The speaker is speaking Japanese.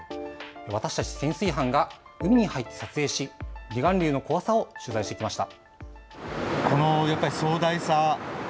私たち潜水班が海に入って撮影し離岸流の怖さを取材してきました。